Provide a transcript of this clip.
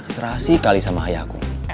serasi kali sama ayahku